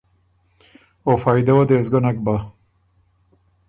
او فائدۀ وه دې سو ګۀ نک بۀ۔